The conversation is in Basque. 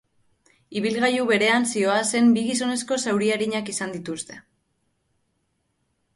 Ibilgailu berean zihoazen bi gizonezko zauri arinak izan dituzte.